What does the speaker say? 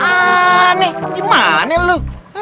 yah aneh gimana lu